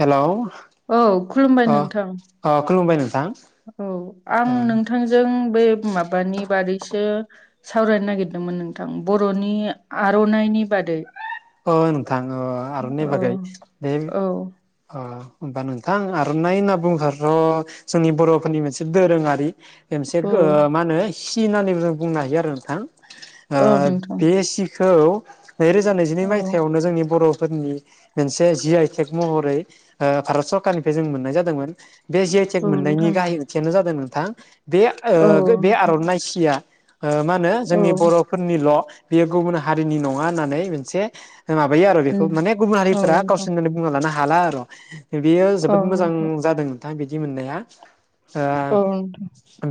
Hello औ खुलुमबाय अ नोंथां। अ खुलुमबाय नोंथां औ आं नोंथां नोथांजों बै माबानि बादैसो सावरायनो नागिरदोंमोन नोंथां बर'नि आर'नाइनि बादै। ओ नोंथां ओ आर'नाइ औ बागै बे औ ओ होमबा नोंथां आर'नाइ होनना बुंब्लाथ' जोंनि बर'फोरनि मोनसे दोरोङारि मोनसे औ ओ मा होनो सि होननानैबो जों बुंनो हायो आरो नोंथां। ओ औ नोंथां बे सिखौ नै रोजा नैजिनै औ मायथाइयावनो जोंनि बर'फोरनि मोनसे जि आइ टेक महरै ओ भारत सरखारनिफ्राय जों मोननाय जादोंमोन। बे जि आइ टेक औ मोननायनि नोंथां गाहाय ओथियानो जादों नोंथां बे औ ओ नोंथां बे आर'नाइ सिया ओ मा होनो औ जोंनि बर'फोरनिल' बेयो गुबुन हारिनि नङा होननानै मोनसे माबायो आरो बेखौ उम माने गुबुन औ हारिफोरा नोंथां गावसोरनि होननानै बुंना लानो हाला आर'। बेयो औ जोबोद मोजां नोंथां जादों नोंथां बिदि मोननाया। ओ औ नोंथां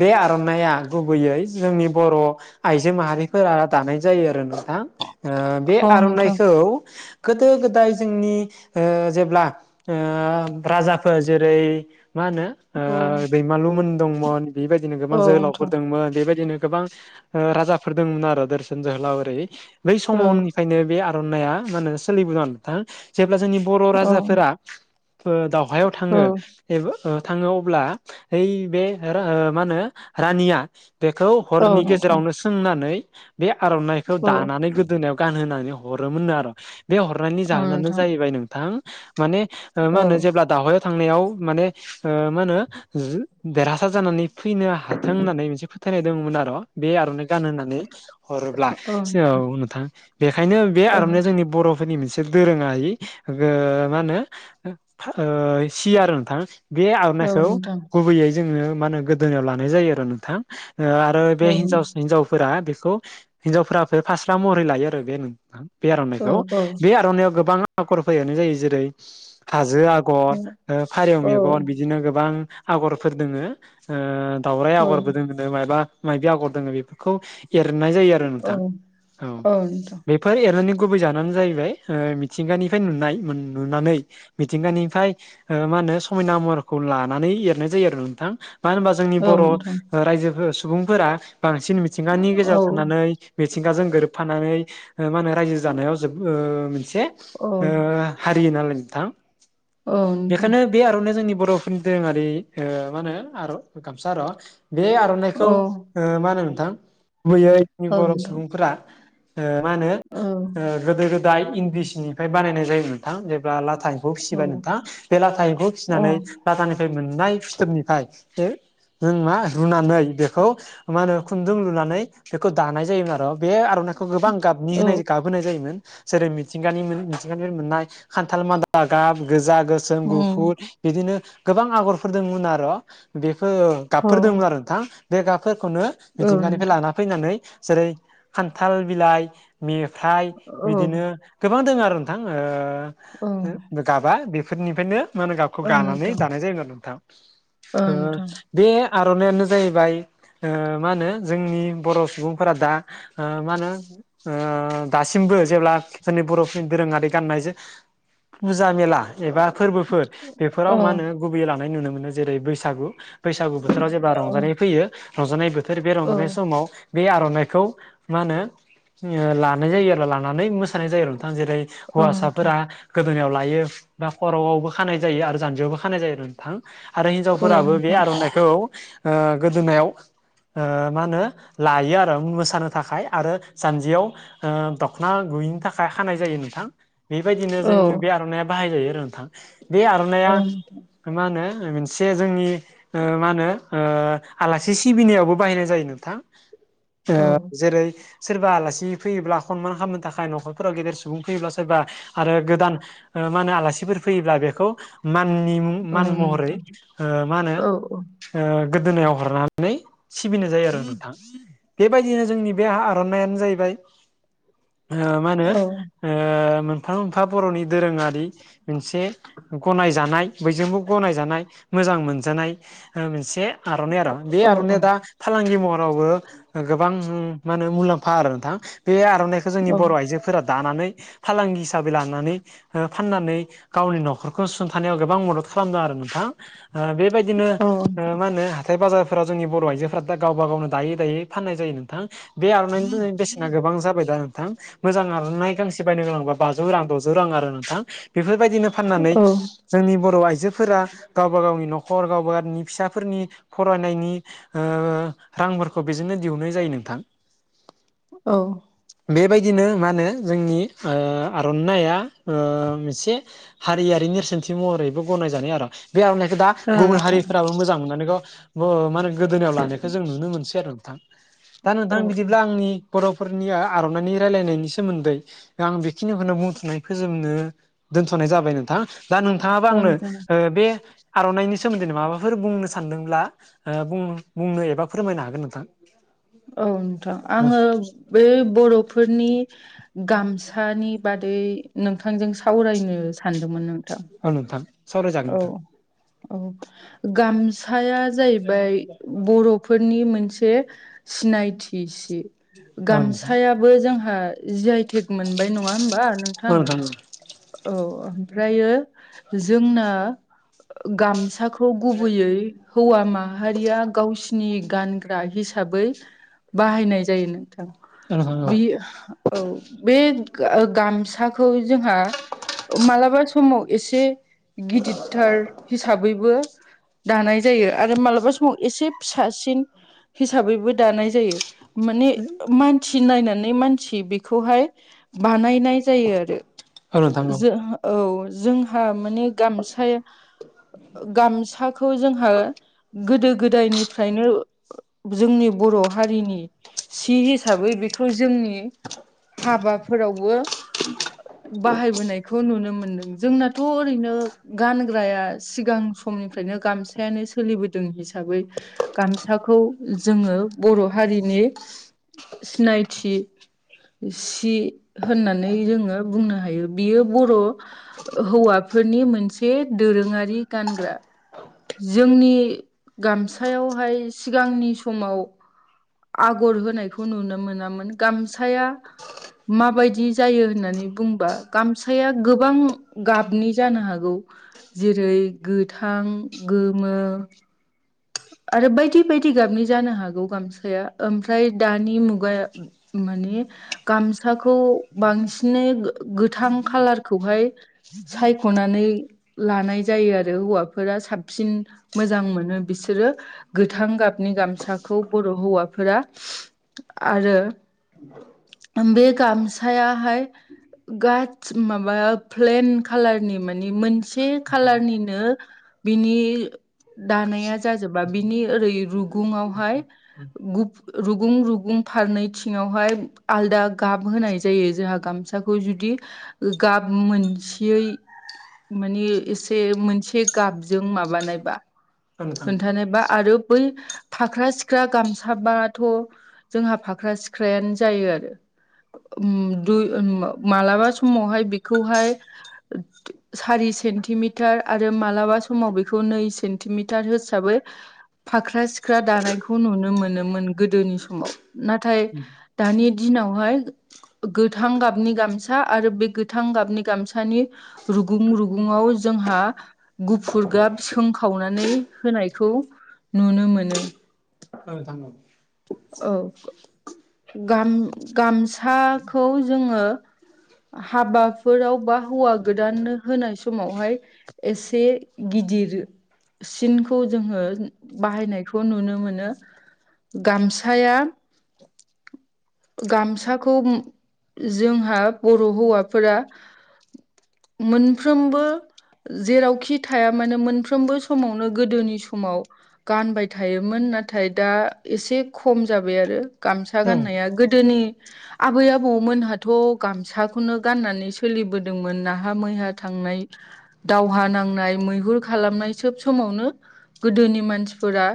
बे आर'नाइया गुबैयै जोंनि बर' आइजो माहारिफोरा दानाय जायो आरो नोंथां ओ बे औ नोंथां औ गोदो गोदाय जोंनि ओ जेब्ला ओ राजाफोर जेरै मा होनो औ ओ दैमालुमोन दंमोन, बेबायदिनो गोबां औ नोंथां जोहोलावफोर दोंमोन, बेबायदिनो गोबां ओ राजाफोर दंमोन आरो दोरसोन जोहोलाव ओरै बै औ समावनि ओंखायनो बे आर'नाइया मा होनो सोलिबोदों नोंथां जेब्ला जोंनि बर' औ राजाफोरा ओ दावहायाव औ थाङो एबा ओ थाङो अब्ला ओइ बे रा मा होनो रानिया बेखौ औ हरनि नोंथां गेजेरावनो सोंनानै बे आर'नाइखौ औ दानानै गोदोनायाव गानहोनानै हरोमोननो आर', बे हरनायनि औ जाहोनानो नोंथां जाहैबाय नोंथां। माने ओ मा औ होनो जेब्ला दावहायाव थांनायाव माने ओ मा होनो देरहासार जानानै फैनो हाथों होननानै मोनसे फोथायनाय दंमोन आर'। बे आर'नाइ गान होननानै हरोब्ला औ नोंथां बेखायनो बे औ आर'नाइजों जोंनि बर'फोरनि मोनसे दोरोङायै मा होनो? सिय आरो नोंथां। बे औ आर'नाइखौ नोंथां गुबैयै जोङो मा होनो गोदोनायाव लानाय जायो आरो नोंथां। आरो बे हिन्जाव औ हिनजावफोरा बेखौ हिनजावफोरा फास्ला महरै लायो आरो बे नोंथां। बे आर'नाइखौ औ औ बे आर'नाइआव गोबां आखर फैयानो जायो जेरै हाजो औ आगर फारिौ मेगन बिदिनो गोबां आगरफोर दोङो। दाावराय औ आगरबो दङ माबा माइबि आगर दोङो बेफोरखौ एरनाय जायो आरो नोंथां, औ [unintelligible] बेफोर एरनायनि गुबै जानायानो जाहैबाय मिथिंगानिफ्राय नुनाय नुनानै मिथिंगानिफ्राय मा होनो समायना महरखौ लानानै एरनाय जायो आरो नोंथां। मानो होनबा? जोंनि औ बर' नोंथां रायजो सुबुंफोरा बांसिन मिथिंगानि औ गेजेराव थानानै मिथिंगाजों गोरोबफानानै मा होनो रायजो जानायाव जबो मोनसे औ ओ हारि नालाय नोंथां औ नोंथां बेखायनो बे आर'ना जोंनि बर'फोरनि दोरोङारि मा होनो आर' गामसा आर'। बे आर'नाइखौ औ मा होनो नोंथां गुबैयै जोंनि औ बर' नोंथां सुबुंफोरा। ओ मा होनो औ गोदो गोदाय इन्दि सिनिफ्राय बानायनाय जायो नोंथां जेब्ला लाथा औ फिसिबाय नोंथाङा बे लाथायैखौ औ फिसिनानै लादानिफ्राय मोननाय फुथोबनिफ्राय बे जों मा रुनानै बेखौ मा होनो खुन्दुं लुनानै बेखौ दानाय जायोमोन आरो बे आर'नाइखौ गोबां गाबनि औ होनाय [unintelligible] ज जै मोननाय खान्थाल [unintelligible] गोजा गो जोम उम गुफुर बिदिनो गोबां आगरफोर दंमोन आरो'। बेफोर औ गाबफोर दंमोन आरो नोंथां बे गाबफोरखौनो औ मिथिंगानिफ्राय नोंथां लाना फैनानै जेरै खान्थाल बिलाइ मेथाइ औ बिदिनो गोबां दङ आरो नोंथां। ओ औ गाबा बेफोरनिफ्रायनो मा होनो गाबखौ औ गानानै नोंथां दानाय जाय आरो नोंथां। ओ [unintelligible] बे आर'नाइानो जाहैबाय मा होनो जोंनि बर' सुबुंफोरा दा आ मा होनो? दासिमबो जेब्ला जोंनि बर'फोरनि दोरोङारि गाननाय जे फुजा मेला एबा फोरबोफोर बेफोराव औ मा होनो गुबैयै लानाय नुनो मोनो, जेरै बैसागु बैसागु बोथोराव जेब्ला औ रंजानाय फैयो रंजानाय बोथोर बे औ रंजानाय समाव बे आर'नाइखौ मा होनो? लानाय जायो आरो लानानै मोसानाय जायो आरो नोंथां जेरै औ नोंथां हौवासाफोरा गोदोोनायाव लायो बा खर'आवबो खानाय जायो आरो जानजियावबो खानाय जायो थां आरो औ हिनजावफोराबो बे नोंथां आर'नाइखौ गोदोनायाव मा होनो लायो आरो मोसानो थाखाय आरो सानजियाव दख'ना गुयैनि थाखाय हानाय जायो नोंथां बेबायदिनो औ जों बे आर'नाइाब बाहाय जायो आरो नोंथां बे आर'नायइया औ नोंथां मा होनो मोनसे जोंनि मा होनो आलासि सिबिनायावबो बाहायनाय जायो नोंथां औ जेरै सोरबा आलासि फैयोब्ला सनमान खालामनो थाखाय न'खरफोराव गेदेर सुबुं फैयोब्ला सोरबा आरो गोदान मा होनो आलासिफोर फैयोब्ला बेखौ माननि औ मान महरै नोंथां मा होनो औ गोदोनायाव हरनानै सिबिनाय जायो आरो नोंथां बेबायदिनो जोंनि बे नाय जाहैबाय ओ मा होनो औ मोनफा मोनफा बर'नि दोरोङारि मोनसे गनायजानाय बयजोंबो गनायजानाय मोजां मोनजानाय मोनसे आर'नाइ आरो बे औ आर'नाइ दा फालांगि महरावबो गोबां मे मुलाम्फा आरो नोंथां बे खालामनायखौ जोंनि औ बर' आइजोफोरा दानानै फालांगि हिसाबै लानानै फाननानै गावनि न'खरखौ सुुंथानायाव गोबां मदद खालामदों आरो नोंथां बे बेबायदिनो मा होनो हाथाय बाजारफोरााव जोंनि बर' आइजोफोरा दा गावबा गावनो दायै दायै फाननाय जायो नोंथां बे आर'नाइनिनि बेसेना गोबां जाबाय दा नोंथां मोजां आरनाय गांसे बायनो गोनांबा बाजौ रां द'जौ रां आरो नोंथां बेफोरबायदिनो औ फाननानै औ जोंनि बर' आइजोफोरा गावबा गावनि न'खर गावबा गावनि फिसाफोरनि फरायनायनि रांफोरखौ बेजोंनो दिहुननाय जायो नोंथां औ बेबायदिनो मा होनो जोंनि आर'नाया मोनसे हारियारि नेरसोनथि महरैबो गनायजानाय आरो बेयाव दा गुबुन हारिफोराबो मोजां मोननानै ग माने गोदोनायाव लानायखौ जों नुनो मोनसै आरो नोंथां [inaudible] थां बिदिब्ला आंनि बर'फोरनि आर'नाइनि रायलायनायनि सोमोन्दै आं बेखिनिखौनो बुंथ'नाय फोजोबनो दोनथ'नाय जाबाय नोंथां दा नोंथाङाबो औ आंनो नोंथां बे आर'नाइनि सोमोन्दै माबाफोर बुंनो सानदोंब्ला बुंनो एबा फोरमायनो हागोन नोंथां औ नोंथां आङो बेै बर'फोरनि गामसानि बादै नोंथांजों सावरायनो सानदोंमोन नोंथां अ नोंथा औ औ गामसाया जाहैबाय बर' फोरनि मोनसे सिनायथि सि औ नोंथां गामसाया बो जोंहा जि आइटेक मोनबाय नङा होमबा नोंथां औ औ औ ओमफ्रायो जोंना गामसाखौ गुबैयै हौवा माहारिया गावसिनि नि गानग्रा हिसाबै बाहायनाय जायो नोंथां नोंथां औ बे औ बे गामसाखौ जोंहा मालाबा समाव एसे गिदिरथार हिसाबैबो दानाय जायो आरो मालाबा समाव एसे फिसासिन हिसाबैबो दानाय जायो माने मानसि नायनानै मानसि बेखौहाय बानायनाय जायो आरो औ नोंथां औ जों औ जोंहा माने गामसाया गामसाखौ जोंहा गोदो गोदायनिफ्रायनो जोंनि बर' हारिनि सि हिसाबै बेखौ जोंनि हाबाफोरावबो बाहायबोनायखौ नुनो मोनदों जोंनाथ' ओरैनो गानग्राया सिगां समनिफ्रायनो गामस यानो सोलिबोदों हिसाबै गामसाखौ जोङो बर' हारिनि सिनायथि सि होननानै जोङो बुंनो हायो बियो बर' हौवाफोरनि मोनसे दोरोङारि गानग्रा जोंनि गामसायावहाय सिगांनि समाव आगर होनायखौ नुनो मोनामोन गामसाया माबायदि जायो होननानै बुंबा गामसाया गोबां गाबनि जानो हागौ जेरै गोथां गोमो आरो बायदि बायदि गाबनि जानो हागौ गामसाया ओमफ्राय दानि मुगाया माने गामसाखौ बांसिनै गोथां खालारखौहाय सायख'नानै लानाय जायो आरो हौवाफोरा साबसिन मोजां मोनो बिसोरो गोथां गाबनि गामसाखौ बर' हौवाफोरा आरो बे गामसायाहाय गास माबा प्लेन कालारनि मानि मोनसे खालारनिनो बिनि दानाया जाजोबा बिनि ओरै रुगुङावहाय गुप रुगुं रुगुं फारनैथिङावहाय आलदा गाब होनाय जायो जोंहा गामसाखौ जुदि गाब मोनसेयै मानि एसे मोनसे गाबजों माबानायबा औ नोंथां औ खोन्थानाय बा आरो बै फाख्रा सिख्रा गामसाबाथ' जोंहा फाख्रा सिख्रायानो जायो आरो ओम दु ओम मालाबा समावहाय बेखौहाय दो सारि सेन्टिमिटार आरो मालाबा समाव बेखौ नै सेन्टिमिट टार हिसाबै फाख्रा सिख्रा दानायखौ नुनो मोनोमोन गोदोनि समाव। नाथाय दानि दिनावहाय गोथां गाबनि गामसा आरो बे गोथां गाबनि गामसानि रुगुं रुगुुंयाव जोंहा गुफुर गाब सोंखावनानै होनायखौ नुनो मोनो। औ थांगौ औ गाम गामसाखौ जोङो हाबाफोराव बा हौवा गोदान होनाय समावहाय एसे गिदिर सिनखौ जोङो बाहायनायखौ नुनो मोनो गामसा थाया गामसाखौ जोंहा बर' हौवाफोरा मोनफ्रोमबो जेरावखि थाया मानो मोनफ्रोमबो समावनो गोदोनि समाव गानबाय थायोमोन नाथाय दा एसे खम जाबाय आरो गामसा गाननाया गोदोनि आबै आबौमोनहाथ' गामसाखौनो गाननानै सोलिबोदोंमोन नाहा मैहा थांनाय दावहा नांनाय मैहुर खालामनाय सोब समावनो गोदोनि मानसिफोरा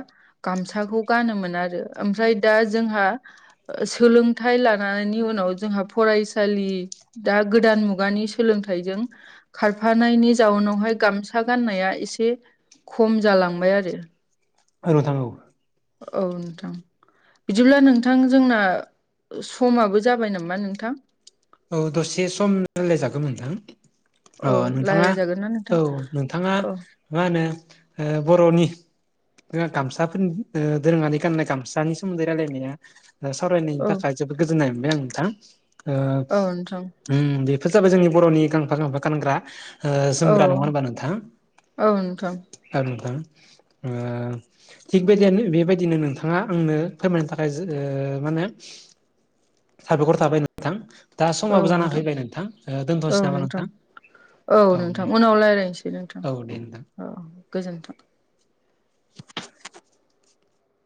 गामसाखौ गानोमोन आरो ओमफ्राय दा जोंहा ओ सोलोंथाइ लानायनि उनाव जोंहा फरायसालि दा गोदान मुगानि सोलोंथाइजों खारफानायनि जाउनावहाय गामसा गाननाया एसे खम जालांबाय आरो। औ नोंथां औ। औ नोंथां। बिदिब्ला नोंथां जोंना समाबो जाबाय नामा नोंथां? औ दसे सम रायलायजागौ नोंथां। अ औ नोंथाङा रायज्लायजागोन ना नोंथां औ नोंथाङा औ मा होनो ओ बर'नि जोंहा गामसाफोरनि ओ दोरोङनानै गाननाय गामसानि सोमोन्दै रायलायनाया औ सावरायनायनि थाखाय जोबोद गोजोननाय मोनबाय आं नोंथा ओ औ नोंथां। ओम बेफोर जाबाय जोंनि बर'नि गांफा गांफा गानग्रा ओ औ जोमग्रा नङा होनबा नोंथां! औ नोंथां औ नोंथां ओ थिग बेदियनो बेबायदिनो नोंथाङा आंनो फोरमायनो थाखाय जो ओ माहोनो साबायखर थाबाय नोंथां। दा समाबो जाना फैबाय नोंथां। ओ, दोनथ'नोसै नामा नोंथां? औ नोंथां उनाव रायलायनोसै नोंथां, औ दे नोंथां औ औ गोजोनथों।